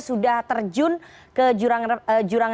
sudah terjun ke jurang